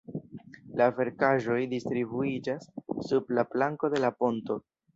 La verkaĵoj distribuiĝas sub la planko de la ponto.